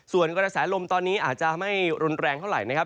ส่วนกระสาหร่มตอนนี้อาจจะไม่รนแรงเท่า